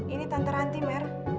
ini tante rantimer